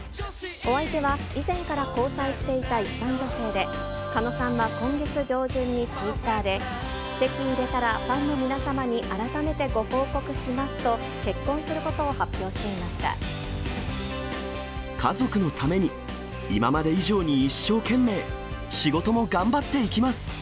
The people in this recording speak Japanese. お相手は、以前から交際していた一般女性で、狩野さんは今月上旬にツイッターで、籍入れたらファンの皆様に改めてご報告しますと、結婚することを家族のために、今まで以上に一生懸命、仕事も頑張っていきます。